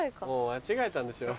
間違えたんでしょ。